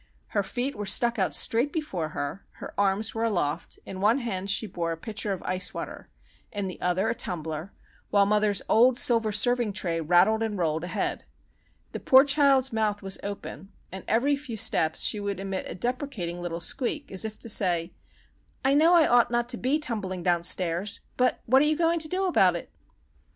Her feet were stuck out straight before her, her arms were aloft, in one hand she bore a pitcher of ice water, in the other a tumbler, while mother's old silver serving tray rattled and rolled ahead. The poor child's mouth was open, and every few steps she would emit a deprecating little squeak, as if to say:— "_I know I ought not to be tumbling downstairs. But what are you going to do about it?